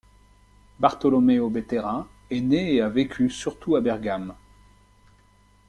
Bartolomeo Bettera est né et a vécu surtout à Bergame.